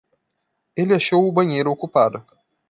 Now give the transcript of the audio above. Ele achou o banheiro ocupado.